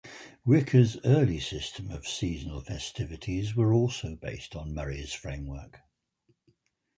Wicca's early system of seasonal festivities were also based on Murray's framework.